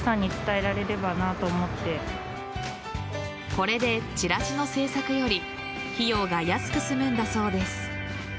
これでチラシの製作より費用が安く済むんだそうです。